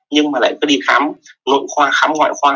nhưng mà lại cứ đi khám nội khoa khám ngoại khoa